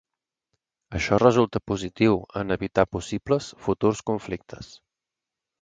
Això resulta positiu en evitar possibles futurs conflictes.